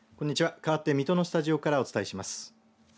かわって水戸のスタジオからお伝えします。